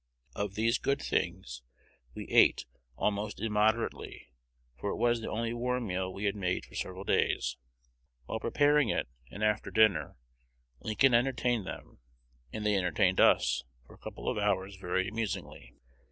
Of these good things we ate almost immoderately, for it was the only warm meal we had made for several days. While preparing it, and after dinner, Lincoln entertained them, and they entertained us for a couple of hours very amusingly.